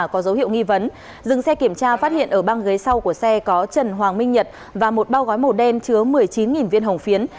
khi kiểm tra phát hiện ở băng ghế sau của xe có trần hoàng minh nhật và một bao gói màu đen chứa một mươi chín viên hồng phiến